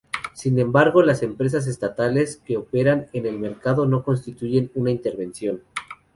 Sin embargo, las empresas estatales que operan en el mercado no constituyen una intervención.